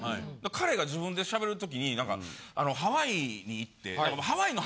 彼が自分で喋る時にハワイに行って。